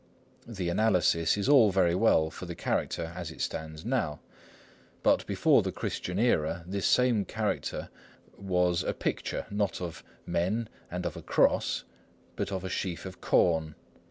That analysis is all very well for the character as it stands now; but before the Christian era this same character was written and was a picture, not of men and of a cross, but of a sheaf of corn.